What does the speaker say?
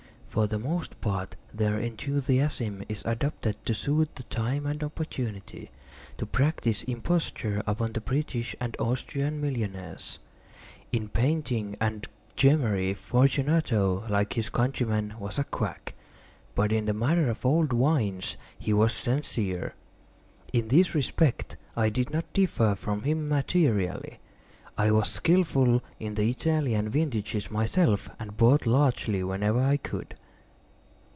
For the most part their enthusiasm is adopted to suit the time and opportunity—to practise imposture upon the British and Austrian millionaires. In painting and gemmary, Fortunato, like his countrymen, was a quack—but in the matter of old wines he was sincere. In this respect I did not differ from him materially: I was skilful in the Italian vintages myself, and bought largely whenever I could.